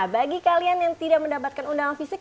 bagi kalian yang tidak mendapatkan undangan fisik